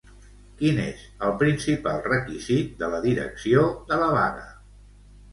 Quin és el principal requisit de la direcció de la vaga?